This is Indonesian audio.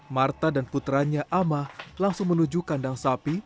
marta dan putranya ama langsung menuju kandang sapi